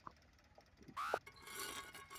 河东人。